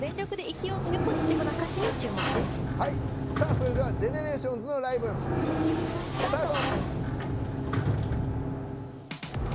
それではＧＥＮＥＲＡＴＩＯＮＳのライブスタート。